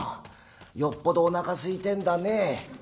よっぽどおなかすいてんだね。